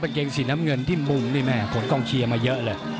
กางเกงสีน้ำเงินที่มุมนี่แม่ผลกล้องเคียงมาเยอะเลย